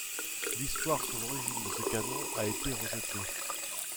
L'histoire sur l'origine de ce canon a été rejetée.